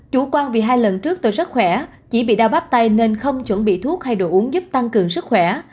chủ quan vì hai lần trước tôi rất khỏe chỉ bị đau bắp tay nên không chuẩn bị thuốc hay đồ uống giúp tăng cường sức khỏe